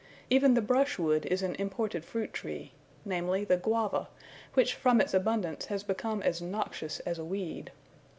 Even the brushwood is an imported fruit tree, namely, the guava, which from its abundance has become as noxious as a weed.